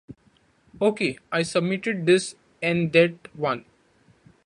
Ok I submitted this and that one